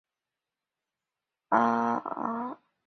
阿尔让河畔罗科布吕讷。